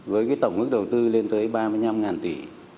với cái tổng mức đầu tư lên tới ba mươi năm tỷ